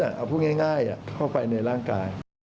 เอาพูดง่ายเข้าไปในร่างกาย